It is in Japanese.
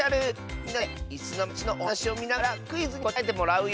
みんなで「いすのまち」のおはなしをみながらクイズにこたえてもらうよ。